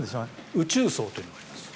宇宙葬というのがあります。